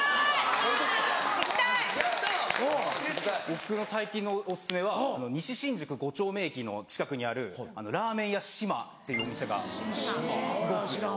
僕の最近のオススメは西新宿五丁目駅の近くにある「らぁ麺や嶋」っていうお店がすごく。